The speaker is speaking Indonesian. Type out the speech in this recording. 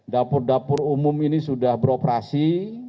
dapur dapur umum ini sudah beroperasi